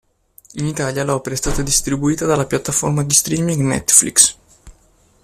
In Italia l'opera è stata distribuita dalla piattaforma di streaming Netflix.